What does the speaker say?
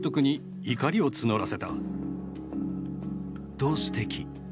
と、指摘。